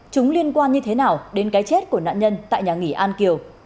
chúng liên quan như thế nào đến cái chết của nạn nhân tại nhà nghỉ an kiều